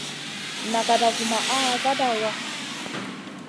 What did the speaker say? Nagada vumaʼha vada waʼa.